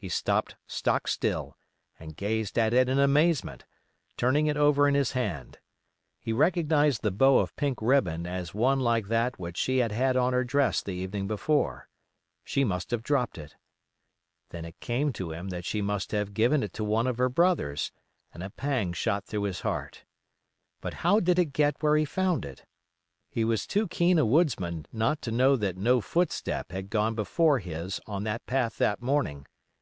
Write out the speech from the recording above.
He stopped stock still, and gazed at it in amazement, turning it over in his hand. He recognized the bow of pink ribbon as one like that which she had had on her dress the evening before. She must have dropped it. Then it came to him that she must have given it to one of her brothers, and a pang shot through his heart. But how did it get where he found it? He was too keen a woodsman not to know that no footstep had gone before his on that path that morning.